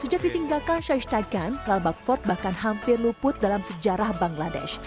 sejak ditinggalkan shahistaghan lalbagh fort bahkan hampir luput dalam sejarah bangladesh